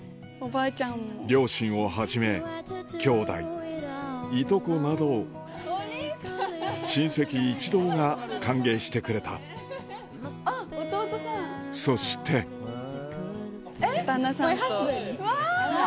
両親をはじめ兄弟いとこなど親戚一同が歓迎してくれたそしてうわ！